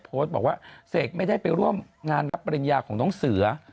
โพสต์บอกว่าเสกไม่ได้ไปร่วมงานรับปริญญาของน้องเสือ